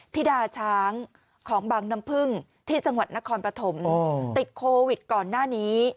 ธิดาช้างของบังน้ำพึ่งที่จังหวัดนครปฐมติดโควิดก่อนหน้านี้